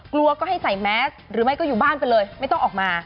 กลัวก็ให้ใส่แมสหรือไม่ก็อยู่บ้านไปเลยไม่ต้องออกมา